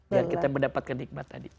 dan kita mendapatkan nikmat tadi